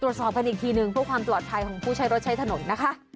ตรวจสอบกันอีกทีหนึ่งเพื่อความปลอดภัยของผู้ใช้รถใช้ถนนนะคะ